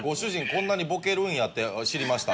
こんなにボケるんやって知りました。